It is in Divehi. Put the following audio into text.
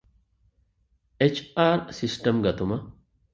އެޗް.އާރް ސިސްޓަމް ގަތުމަށް